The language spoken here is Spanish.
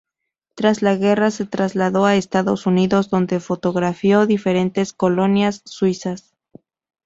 Tras la guerra, se trasladó a Estados Unidos, donde fotografió diferentes colonias suizas.